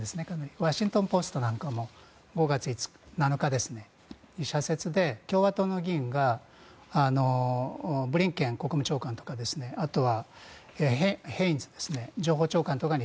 ワシントン・ポストなんかも５月７日に社説で共和党の議員がブリンケン国務長官とかあとはヘインズ情報長官とかに